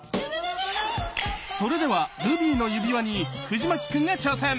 それでは「ルビーの指環」に藤牧くんが挑戦！